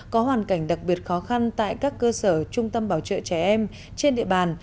có hoàn cảnh đặc biệt khó khăn tại các cơ sở trung tâm bảo trợ trẻ em trên địa bàn